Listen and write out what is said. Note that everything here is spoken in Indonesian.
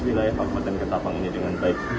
wilayah kabupaten ketapang ini dengan baik